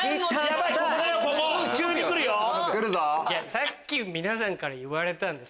さっき皆さんから言われたんで。